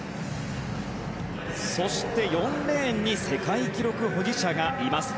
そして、４レーンに世界記録保持者がいます。